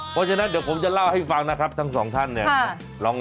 เพราะฉะนั้นเดี๋ยวผมจะเล่าให้ฟังนะครับทั้งสองท่านเนี่ย